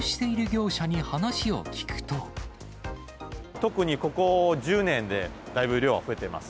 特にここ１０年で、だいぶ、量は増えています。